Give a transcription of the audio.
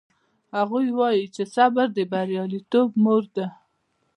هغوی وایي چې صبر د بریالیتوب مور ده